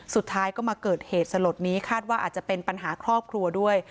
สุดท้ายก็มาเกิดเหตุสลดนี้คาดว่าอาจจะเป็นปัญหาครอบครัวด้วย